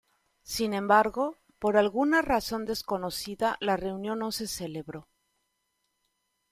Sin embargo, por alguna razón desconocida, la reunión no se celebró.